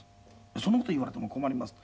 「そんな事言われても困ります」って。